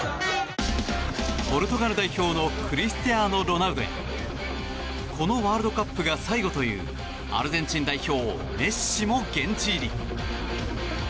ポルトガル代表のクリスティアーノ・ロナウドやこのワールドカップが最後というアルゼンチン代表メッシも現地入り。